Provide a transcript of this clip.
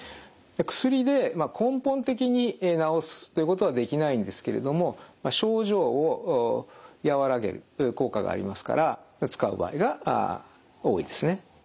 薬で根本的に治すということはできないんですけれども症状を和らげる効果がありますから使う場合が多いですね。